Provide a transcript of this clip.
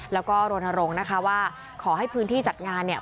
แล้วก็รณรงค์นะคะว่าขอให้พื้นที่จัดงานเนี่ย